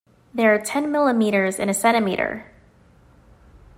There are ten millimetres in a centimetre.